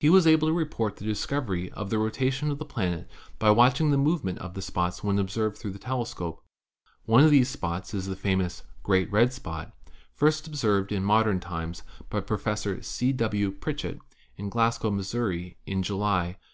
He was able to report the discovery of the rotation of the planet by watching the movement of the spots when observed through the tele scope. One of these spots is the famous "great red spot" first observed in modern times by Professor C. W. Pritchett in Glasgow, Missouri, in July, 1878.